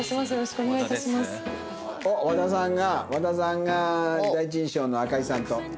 おっ和田さんが和田さんが第一印象の赤井さんと。